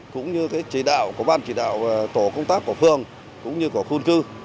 cũng như bàn chỉ đạo tổ công tác của phường cũng như của khuôn cư